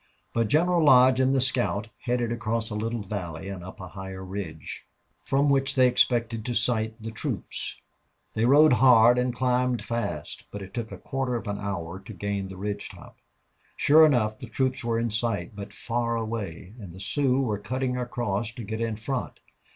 But General Lodge and the scout headed across a little valley and up a higher ridge, from which they expected to sight the troops. They rode hard and climbed fast, but it took a quarter of an hour to gain the ridge top. Sure enough the troops were in sight, but far away, and the Sioux were cutting across to get in front.